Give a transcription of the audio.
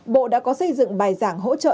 bộ đã có xây dựng bài giảng hỗ trợ